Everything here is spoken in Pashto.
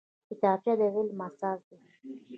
کتابچه د علم اساس دی